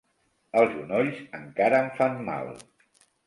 Els genolls encara em fan mal.